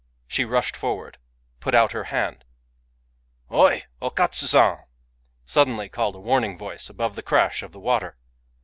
She rushed forward, — put out her hand. ... 0// O Katsu San!"^ suddenly called a warn ing voice above the crash of the water.